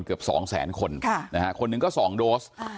เกือบ๒แสนคนคนหนึ่งก็๒โดส